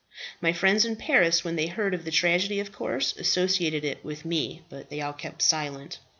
My friends in Paris when they heard of the tragedy of course associated it with me, but they all kept silent.